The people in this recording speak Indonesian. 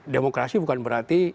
demokrasi bukan berarti